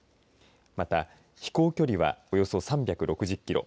また飛行距離はおよそ３６０キロ